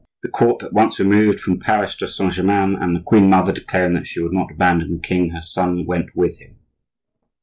The court at once removed from Paris to Saint Germain, and the queen mother, declaring that she would not abandon the king her son, went with him.